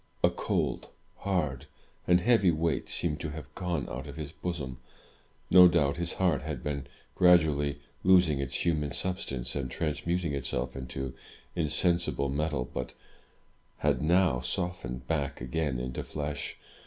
A cold, hard, and heavy weight seemed to have gone out of his bosom. No doubt, his heart had been gradually losing its human substance, and transmuting itself into insensible metal, but had now softened back again into flesh.